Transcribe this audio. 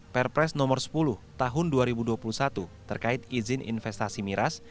perpres nomor sepuluh tahun dua ribu dua puluh satu terkait izin investasi miras